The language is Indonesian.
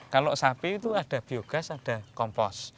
kalau sapi itu ada biogas ada kompos